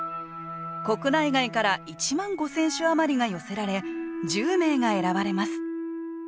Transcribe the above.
国内外から１万５，０００首余りが寄せられ１０名が選ばれます